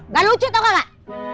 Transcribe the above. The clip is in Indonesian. gak lucu tau gak